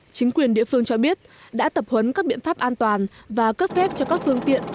chính quyền địa phương cho biết đã tập huấn các biện pháp an toàn và cấp phép cho các phương tiện